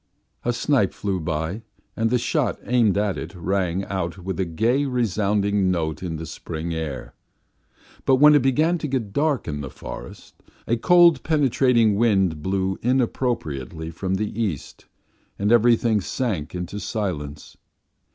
A snipe flew by, and the shot aimed at it rang out with a gay, resounding note in the spring air. But when it began to get dark in the forest a cold, penetrating wind blew inappropriately from the east, and everything sank into silence.